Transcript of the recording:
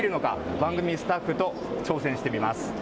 番組スタッフと挑戦してみます。